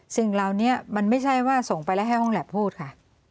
สิ่งเหล่านี้มันไม่ใช่ว่าส่งไปแล้วให้ห้องแล็บพูดค่ะ